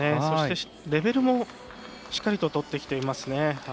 そしてレベルもしっかりととってきていますね。